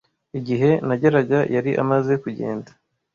Igihe nageraga, yari amaze kugenda.